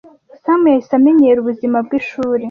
Sam yahise amenyera ubuzima bwishuri.